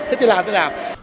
thế thì làm thế nào